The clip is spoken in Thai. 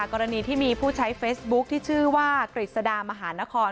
กรณีที่มีผู้ใช้เฟซบุ๊คที่ชื่อว่ากฤษดามหานคร